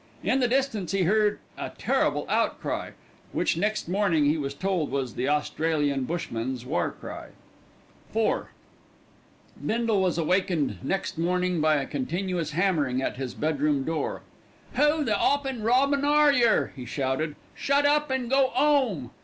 In the distance he heard a terrible outcry, which next morning he was told was the Australian Bushmen's war cry. IV Bindle was awakened next morning by a continuous hammering at his bedroom door. "Who the 'oppin' robin are yer?" he shouted; "shut up and go 'ome."